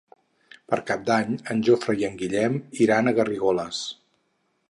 Per Cap d'Any en Jofre i en Guillem iran a Garrigoles.